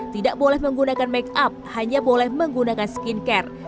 tidak boleh menggunakan make up hanya boleh menggunakan skincare